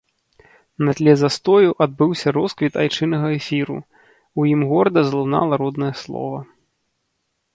На тле застою адбыўся росквіт айчыннага эфіру, у ім горда залунала роднае слова.